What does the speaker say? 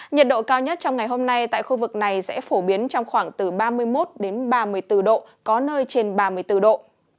nhiệt độ cao nhất trong ngày hôm nay tại khu vực này sẽ phổ biến trong khoảng từ ba mươi một đến ba mươi bốn độ có nơi trên ba mươi bốn độ